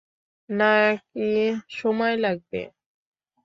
না কি সময় লাগবে?